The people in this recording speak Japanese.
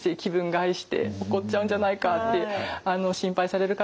害して怒っちゃうんじゃないかって心配される方